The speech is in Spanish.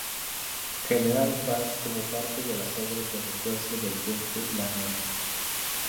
General Paz como parte de las obras de refuerzo del Puente La Noria.